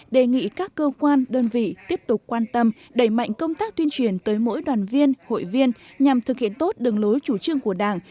đề nghị các cơ quan đơn vị tiếp tục quan tâm đẩy mạnh công tác tuyên truyền tới mỗi đoàn viên hội viên nhằm thực hiện tốt đường lối chủ trương của đảng